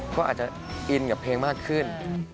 ก็อาจจะอินกับเพลงมากขึ้น